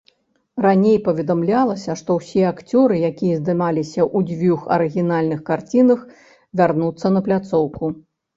Раней паведамлялася, што ўсе акцёры, якія здымаліся ў дзвюх арыгінальных карцінах, вярнуцца на пляцоўку.